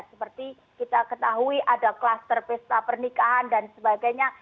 seperti kita ketahui ada kluster pesta pernikahan dan sebagainya